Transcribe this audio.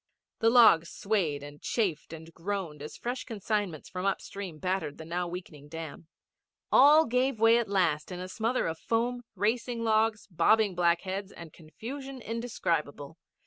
The logs swayed and chafed and groaned as fresh consignments from upstream battered the now weakening dam. All gave way at last in a smother of foam, racing logs, bobbing black heads and confusion indescribable.